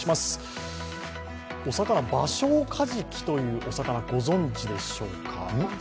お魚、バショウカジキというお魚、ご存じでしょうか。